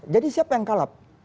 jadi siapa yang kalap